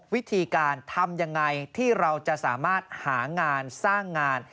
วิธีการทำยังไงที่เราจะสามารถหางานสร้างงาน